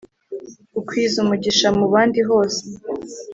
ukwiza umugisha mubandi hose